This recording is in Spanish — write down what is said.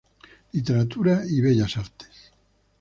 Literatura y Bellas Artes.